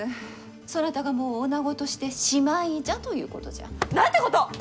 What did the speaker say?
そなたがもうおなごとしてしまいじゃということじゃ。なんてことを！